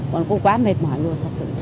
bọn cô quá mệt mỏi luôn thật sự